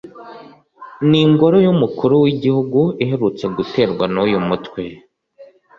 n’ingoro y’Umukuru w’igihugu iherutse guterwa n’uyu mutwe